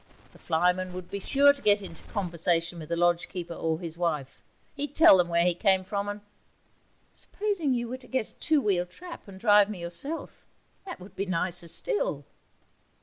The flyman would be sure to get into conversation with the lodge keeper or his wife. He'd tell them where he came from, and ' 'Supposing you were to get a two wheeled trap and drive me yourself; that would be nicer still.'